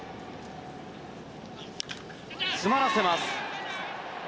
詰まらせます。